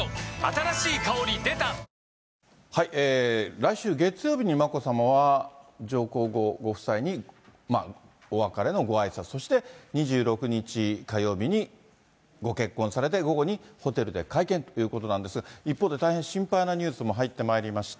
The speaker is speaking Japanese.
来週月曜日に眞子さまは、上皇后ご夫妻にお別れのごあいさつ、そして２６日火曜日にご結婚されて、午後にホテルで会見ということなんですが、一方で大変心配なニュースも入ってまいりまして。